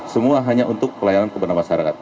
semua hanya untuk pelayanan kepada masyarakat